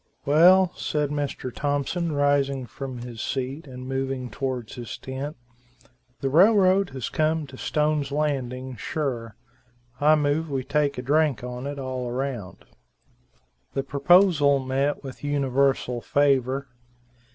"Well," said Mr. Thompson, rising from his seat and moving towards his tent, "the railroad has come to Stone's Landing, sure; I move we take a drink on it all round." The proposal met with universal favor.